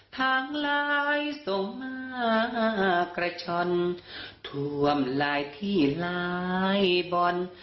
ทางลายสมะกระช่อนทวมลายที่ลายบอน